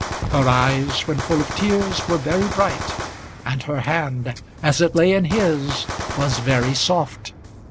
Her eyes, when full of tears, were very bright, and her hand, as it lay in his, was very soft.